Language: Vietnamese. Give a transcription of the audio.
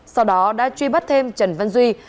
sau đó đã truy bắt thêm trần văn duy